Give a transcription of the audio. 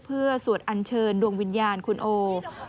เพื่อสวดอัญเชิญดวงวิญญาณคุณโอ